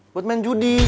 buat main judi